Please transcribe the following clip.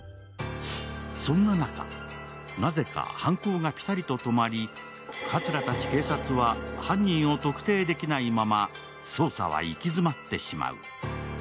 そんな中、なぜか犯行がピタリと止まり葛たち警察は犯人を特定できないまま捜査は行き詰まってしまう。